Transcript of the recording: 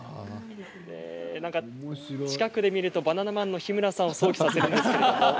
近くで見るとバナナマンの日村さんを想起させる。